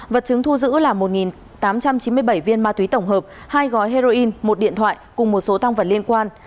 vật chứng thu giữ là một tám trăm chín mươi bảy viên ma túy tổng hợp hai gói heroin một điện thoại cùng một số tăng vật liên quan